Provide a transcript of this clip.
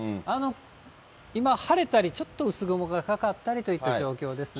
今、晴れたりちょっと薄雲がかかったりといった状況ですね。